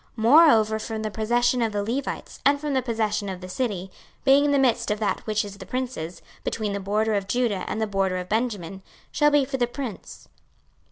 26:048:022 Moreover from the possession of the Levites, and from the possession of the city, being in the midst of that which is the prince's, between the border of Judah and the border of Benjamin, shall be for the prince.